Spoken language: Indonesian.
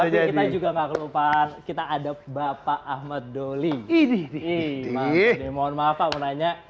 jadi kita juga enggak lupa kita ada bapak ahmad doli ini ini mohon maaf aku nanya